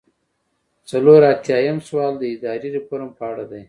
څلور ایاتیام سوال د اداري ریفورم په اړه دی.